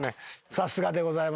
さすがでございました。